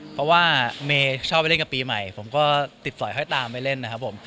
เพราะว่าเมย์ชอบไปเล่นกับปีใหม่ผมก็ติดสอยค่อยตามไปเล่นนะครับผม